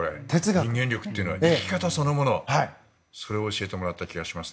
人間力というのは生き方そのものを教えてもらった気がします。